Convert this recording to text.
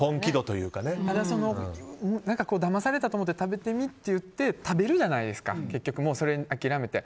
だまされたと思って食べてみっていって食べるじゃないですか、諦めて。